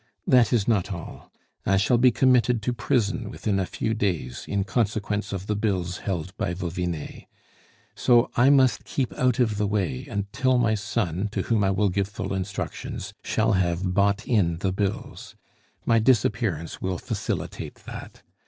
That is not all. I shall be committed to prison within a few days in consequence of the bills held by Vauvinet. So I must keep out of the way until my son, to whom I will give full instructions, shall have bought in the bills. My disappearance will facilitate that.